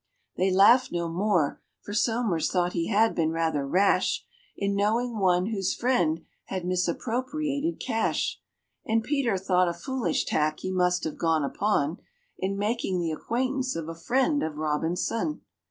They laughed no more, for SOMERS thought he had been rather rash In knowing one whose friend had misappropriated cash; And PETER thought a foolish tack he must have gone upon In making the acquaintance of a friend of ROBINSON.